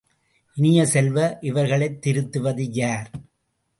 இனிய செல்வ, இவர்களைத் திருத்துவது யார்?